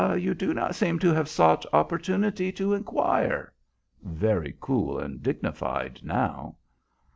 "You do not seem to have sought opportunity to inquire," very cool and dignified now.